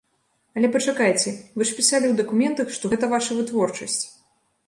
Але пачакайце, вы ж пісалі ў дакументах, што гэта ваша вытворчасць?